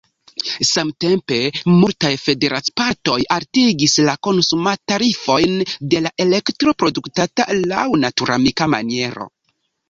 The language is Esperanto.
Samtempe multaj federacipartoj altigis la konsumtarifojn de la elektro produktata laŭ naturamika maniero.